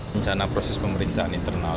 rencana proses pemeriksaan internal